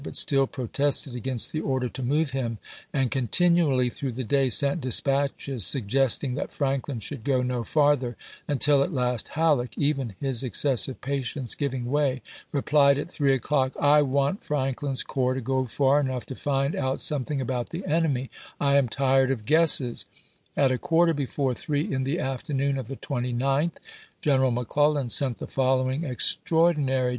but still protested against the order to move him, and continually through the day sent dispatches suggesting that Franklin should go no farther, until at last Halleck, even his excessive patience giving way, replied at three o'clock, " I want Frank voY'xii.. lin's corps to go far enough to find out something ^^^m^" about the enemy. .. I am tired of guesses." At pope's VIRGINIA CAMPAIGN 19 a quarter before three in the afternoon of the 29th chap. i. Greneral McClellan sent the following extraordinary Aug., 1862.